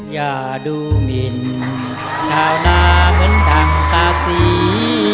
อย่าดูหมินชาวนาเหมือนดังตาสี